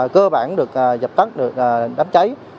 cơ bản được dập tắt được đám cháy